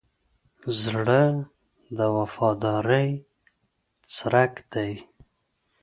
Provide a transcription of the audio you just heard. زړه د وفادارۍ څرک دی.